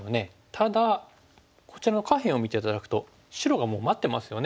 ただこちらの下辺を見て頂くと白がもう待ってますよね。